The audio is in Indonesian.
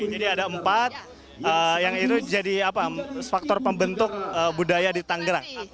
jadi ada empat yang itu jadi faktor pembentuk budaya di tanggerang